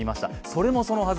それもそのはず